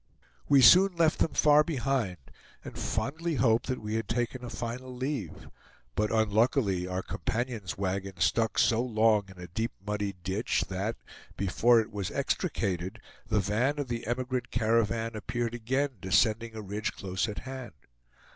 We soon left them far behind, and fondly hoped that we had taken a final leave; but unluckily our companions' wagon stuck so long in a deep muddy ditch that, before it was extricated, the van of the emigrant caravan appeared again, descending a ridge close at hand.